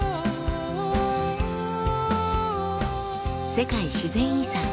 世界自然遺産